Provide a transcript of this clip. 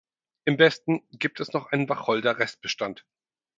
Im Westen gibt es noch einen Wacholder-Restbestand.